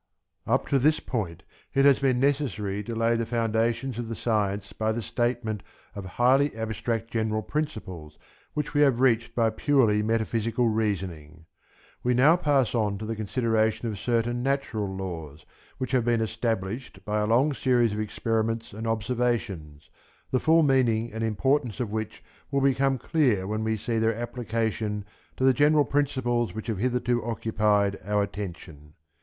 Up to this point it has been necessary to lay the foundations of the science by the statement of highly abstract general principles which we have reached by purely metaphysical reasoning. We now pass on to the consideration of certain natural laws which have been established by a long series of experiments and observations, the full meaning and importance of which will become clear when we see their application to the general principles which have hitherto occupied our attention.